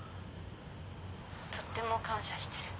「とっても感謝してる」